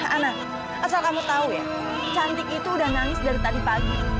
ana asal kamu tahu ya cantik itu udah nangis dari tadi pagi